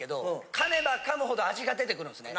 噛めば噛むほど味が出てくるんですね。